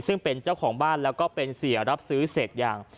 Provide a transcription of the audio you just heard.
ซึ่งเป็นเจ้าของบ้านแล้วก็เป็นเสียรับซื้อเศษยาง